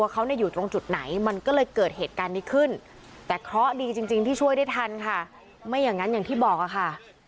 เกิดเหตุการณ์นี้ขึ้นแต่เคราะดีจริงจริงที่ช่วยได้ทันค่ะไม่อย่างนั้นอย่างที่บอกอะค่ะ